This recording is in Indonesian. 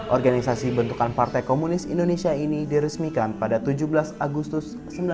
organisasi bentukan partai komunis indonesia ini diresmikan pada tujuh belas agustus seribu sembilan ratus empat puluh lima